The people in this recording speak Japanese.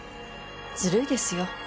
ずるいですよ。